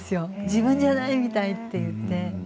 自分じゃないみたいって言って。